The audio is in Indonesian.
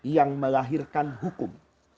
yang melahirkan hukum